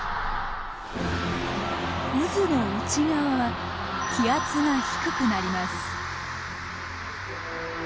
渦の内側は気圧が低くなります。